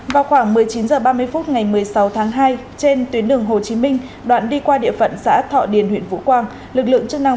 vào khoảng một mươi chín h ba mươi phút ngày một mươi sáu tháng hai trên tuyến đường hồ chí minh đoạn đi qua địa phận xã thọ điền huyện vũ quang